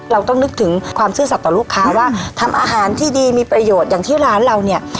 เราต้องนึกถึงความซื่อสัตว์ต่อลูกค้าว่าทำอาหารที่ดีมีประโยชน์อย่างที่ร้านเราเนี่ย